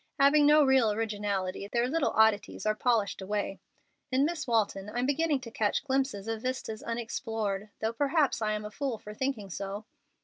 Having no real originality, their little oddities are polished away. In Miss Walton I'm beginning to catch glimpses of vistas unexplored, though perhaps I am a fool for thinking so.